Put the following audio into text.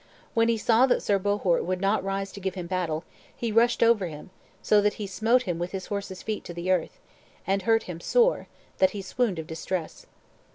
When he saw that Sir Bohort would not rise to give him battle, he rushed over him, so that he smote him with his horse's feet to the earth, and hurt him sore, that he swooned of distress.